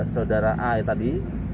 saudara a tadi